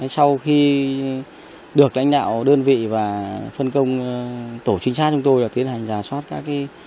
sau khi được đánh đạo đơn vị và phân công tổ chính sát chúng tôi là tiến hành giả soát các cái